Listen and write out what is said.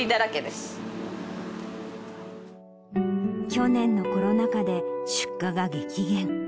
去年のコロナ禍で出荷が激減。